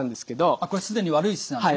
あっこれ既に悪い姿勢なんですね。